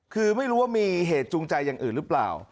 คือไม่รู้ว่ามีเหตุจูงใจอย่างอื่นหรือเปล่า